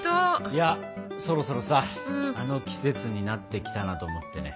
いやそろそろさあの季節になってきたなと思ってね。